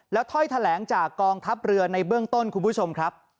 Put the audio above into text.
ถ้อยแถลงจากกองทัพเรือในเบื้องต้นคุณผู้ชมครับ